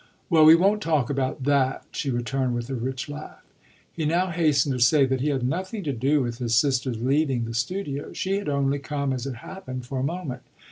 "Well, we won't talk about that!" she returned with a rich laugh. He now hastened to say that he had nothing to do with his sister's leaving the studio she had only come, as it happened, for a moment.